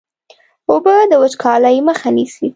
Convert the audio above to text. اوبه د وچکالۍ مخه نیسي.